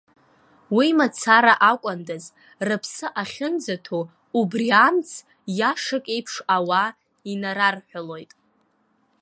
Уи мацара акәындаз, рыԥсы ахьынӡаҭоу, убри амц, иашак еиԥш, ауаа инарарҳәалоит.